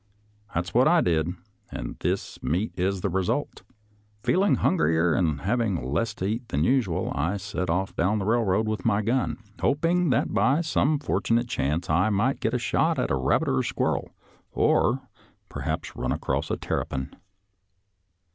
That's what I did, and this meat is the result. Feeling hun grier and having less to eat than usual, I set off down the railroad with my gun, hoping that by some fortunate chance I might get a shot at a rabbit or a squirrel, or, perhaps, run across a terrapin.